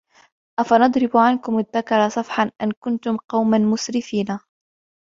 أفنضرب عنكم الذكر صفحا أن كنتم قوما مسرفين